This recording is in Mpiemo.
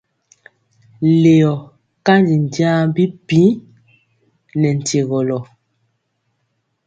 Leyɔ kanji njaŋ bipiiŋ nɛ nkyegɔlɔ.